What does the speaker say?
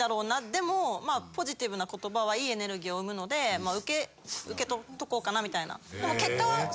でもポジティブな言葉はいいエネルギーを生むので受け取っとこうかなみたいな。